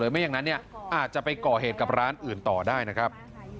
ไม่อย่างนั้นอาจจะไปก่อเหตุกับร้านอื่นต่อได้นะครับ